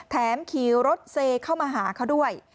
ขี่รถเซเข้ามาหาเขาด้วย